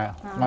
masa dia masak